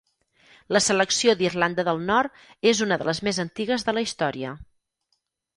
La selecció d'Irlanda del Nord és una de les més antigues de la història.